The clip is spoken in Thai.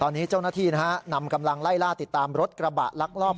ตอนนี้เจ้าหน้าที่นะฮะนำกำลังไล่ล่าติดตามรถกระบะลักลอบ